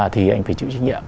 thì anh phải chịu trách nhiệm